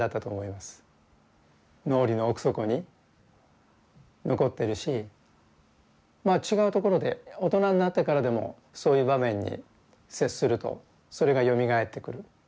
脳裏の奥底に残っているし違うところで大人になってからでもそういう場面に接するとそれがよみがえってくる。